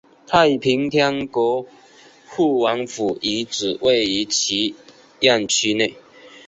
太平天国护王府遗址位于其院区内。